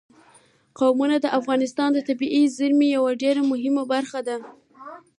قومونه د افغانستان د طبیعي زیرمو یوه ډېره مهمه برخه ده.